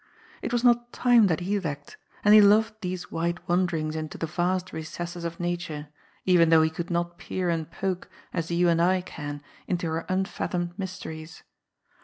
It was not time that he lacked, and he loved these wide wanderings into the vast recesses of Nature, even though he could not peer and poke, as you and I can, into her unfathomed mysteries.